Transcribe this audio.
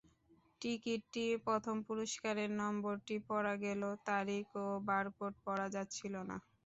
টিকিটটি প্রথম পুরস্কারের নম্বরটি পড়া গেলেও তারিখ এবং বারকোড পড়া যাচ্ছিল না।